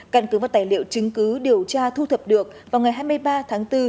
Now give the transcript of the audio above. căn cứ vào tài liệu chứng cứ điều tra thu thập được vào ngày hai mươi ba tháng bốn